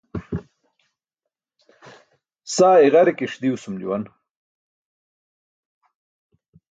Saa i̇ġarikiṣ diwasum juwan.